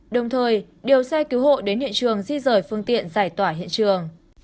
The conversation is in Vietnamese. đồng thời điều xe cứu hộ đến hiện trường di rời phương tiện giải tỏa hiện trường